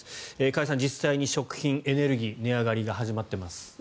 加谷さん実際に食品、エネルギー値上がりが始まっています。